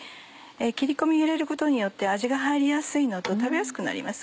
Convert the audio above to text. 切り込みを入れることによって味が入りやすいのと食べやすくなります。